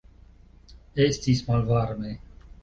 Estis malvarme.